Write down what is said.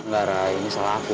enggak raya ini salah aku